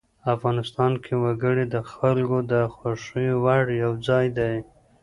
افغانستان کې وګړي د خلکو د خوښې وړ یو ځای دی.